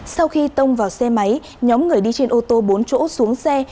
sau khi tông vào xe máy nhóm người đi trên ô tô bốn chỗ xuống xe